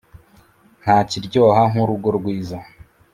nta kiryoha nk’urugo rwiza